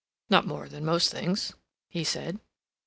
"Not more than most things," he said.